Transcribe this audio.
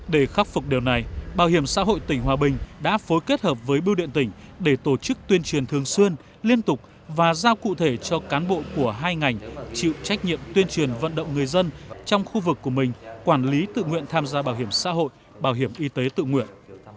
để khắc phục điều này bảo hiểm xã hội tỉnh hòa bình đã phối kết hợp với bưu điện tỉnh để tổ chức tuyên truyền thường xuyên liên tục và giao cụ thể cho cán bộ của hai ngành chịu trách nhiệm tuyên truyền vận động người dân trong khu vực của mình quản lý tự nguyện tham gia bảo hiểm xã hội bảo hiểm y tế tự nguyện